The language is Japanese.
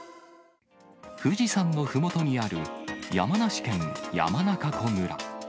富士山のふもとにある、山梨県山中湖村。